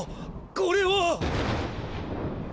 これは！